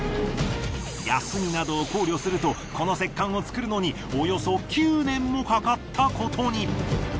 休みなどを考慮するとこの石棺を造るのにおよそ９年もかかったことに。